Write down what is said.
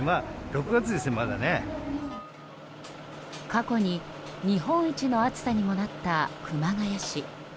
過去に日本一の暑さにもなった熊谷市。